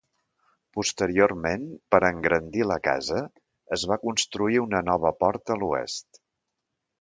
Posteriorment, per engrandir la casa es va construir una nova porta a l'oest.